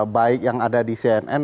baik yang ada di cnn